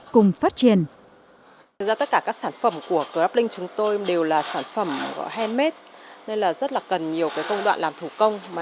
cùng phát triển